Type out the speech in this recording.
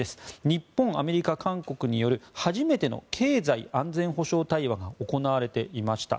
日本、アメリカ、韓国による初めての経済安全保障対話が行われていました。